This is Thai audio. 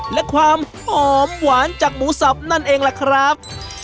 และความหอมหวานจากหมูสับนั่นเองล่ะครับ